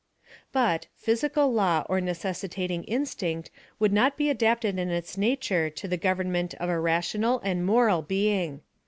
But, physical law or necessitating instinct would not be adapted in its nature to the government of a rational and moral being.